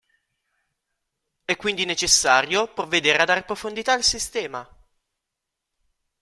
È quindi necessario provvedere a "dare profondità" al sistema.